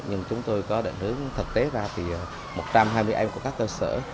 nhưng chúng tôi có định hướng thực tế ra thì một trăm hai mươi em của các cơ sở